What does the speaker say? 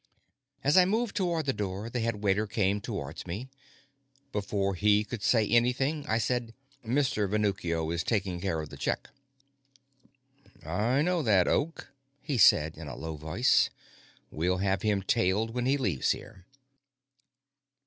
As I moved toward the door, the headwaiter came towards me. Before he could say anything, I said: "Mr. Venuccio is taking care of the check." "I know that, Oak," he said in a low voice. "We'll have him tailed when he leaves here."